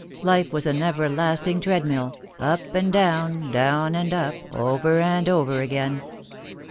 Life was an everlasting treadmill up and down, down and up, over and over again.